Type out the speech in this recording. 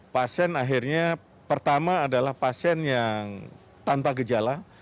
pasien akhirnya pertama adalah pasien yang tanpa gejala